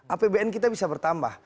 apbn kita bisa bertambah